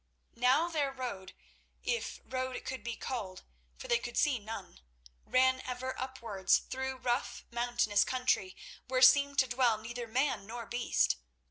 Now their road—if road it could be called, for they could see none—ran ever upwards through rough, mountainous country, where seemed to dwell neither man nor beast.